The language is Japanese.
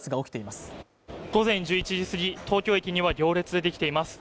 午前１１時過ぎ東京駅には行列できています